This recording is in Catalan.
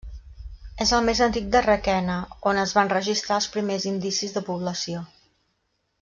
És el més antic de Requena on es van registrar els primers indicis de població.